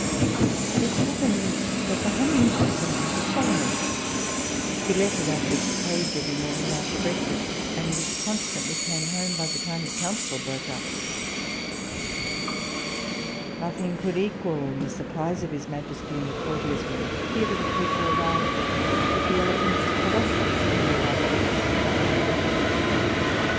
It happened that the humming bird belonged to Solomon; he let it out of its cage every morning after breakfast, and it constantly came home by the time the council broke up. Nothing could equal the surprise of his majesty and the courtiers, when the dear little creature arrived with the elephant's proboscis hanging out of its divine little bill.